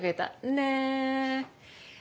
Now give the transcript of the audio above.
ねえ。